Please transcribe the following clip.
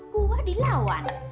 gua di lawan